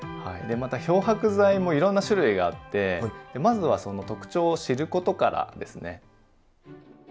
また漂白剤もいろんな種類があってまずはその特徴を知ることからですね。